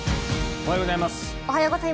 おはようございます。